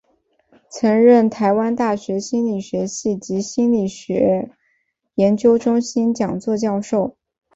曾任台湾大学心理学系及心理科学研究中心讲座教授。